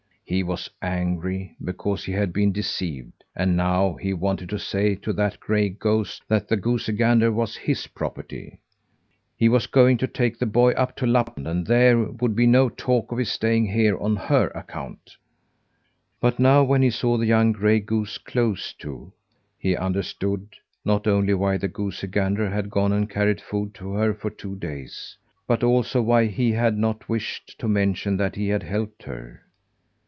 He was angry because he had been deceived, and now he wanted to say to that gray goose that the goosey gander was his property. He was going to take the boy up to Lapland, and there would be no talk of his staying here on her account. But now, when he saw the young gray goose close to, he understood, not only why the goosey gander had gone and carried food to her for two days, but also why he had not wished to mention that he had helped her.